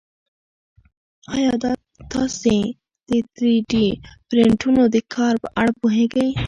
ایا تاسي د تری ډي پرنټرونو د کار په اړه پوهېږئ؟